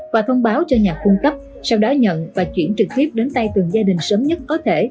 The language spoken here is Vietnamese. và thông báo cho nhà cung cấp sau đó nhận và chuyển trực tiếp đến tay từng gia đình sớm nhất có thể